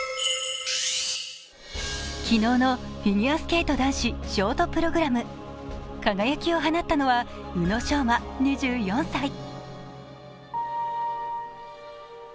昨日のフィギュアスケート男子ショートプログラム輝きを放ったのは宇野昌磨２４歳。